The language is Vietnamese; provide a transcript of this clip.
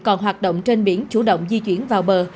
còn hoạt động trên biển chủ động di chuyển vào bờ